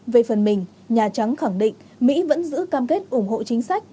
về phần mình nhà trắng khẳng định mỹ vẫn giữ cam kết ủng hộ chính sách